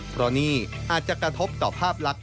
เพราะนี่อาจจะกระทบต่อภาพลักษณ